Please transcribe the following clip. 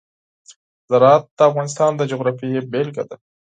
زراعت د افغانستان د جغرافیې بېلګه ده.